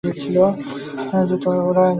ওরা গু হারা করে হারছিল।